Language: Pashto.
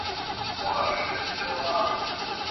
اوښکي په بڼو چي مي پېیلې اوس یې نه لرم ..